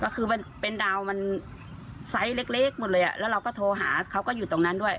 ก็คือมันเป็นดาวมันไซส์เล็กหมดเลยอ่ะแล้วเราก็โทรหาเขาก็อยู่ตรงนั้นด้วย